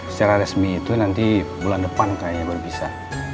secara resmi itu nanti bulan depan kayaknya baru bisa